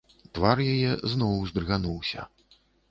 Твар яе зноў уздрыгануўся.